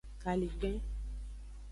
Kaligben.